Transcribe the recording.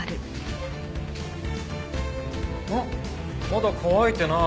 あっまだ乾いてない。